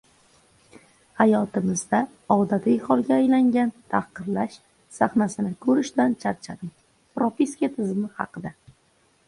Hayotimizda odatiy holga aylangan tahqirlash sahnasini ko‘rishdan charchadim — Propiska tizimi haqida